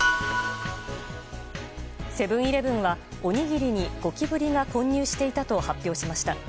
セブン‐イレブンはおにぎりにゴキブリが混入していたと発表しました。